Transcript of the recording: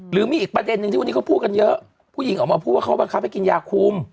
หรือมีอีกประเด็นนึงที่วันนี้เขาพูดกันเยอะผู้หญิงออกมาพูดว่าเขาบังคับให้กินยาคุม